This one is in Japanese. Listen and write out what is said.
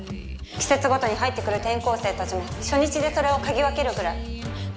季節ごとに入ってくる転校生たちも初日でそれを嗅ぎ分けるくらい。